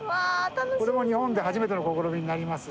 これも日本で初めての試みになります。